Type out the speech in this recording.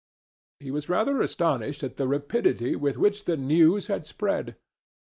He was rather astonished at the rapidity with which the news had spread.